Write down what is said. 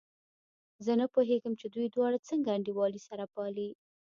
زه نه پوهېږم چې دوی دواړه څنګه انډيوالي سره پالي.